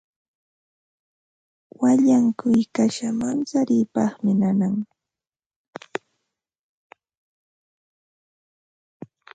Wallankuy kasha mancharipaqmi nanan.